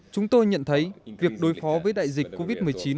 chúng tôi nhận thấy việc đối phó với đại dịch covid một mươi chín